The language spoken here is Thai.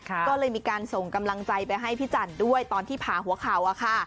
ก็เลยมีการส่งกำลังใจไปให้พี่จันทร์ด้วยตอนที่ผ่าหัวเข่าอะค่ะ